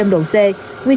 nguy cơ cháy